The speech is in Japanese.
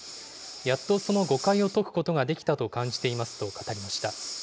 やっとその誤解を解くことができたと感じていますと語りました。